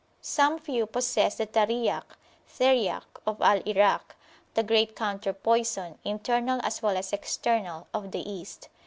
Some few possess the Tariyak (Theriack) of Al Irakthe great counter poison, internal as well as external, of the East.